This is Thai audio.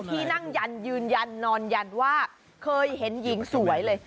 ที่นั่งยันยืนยันนอนยันว่าเคยเห็นหญิงสวยเลย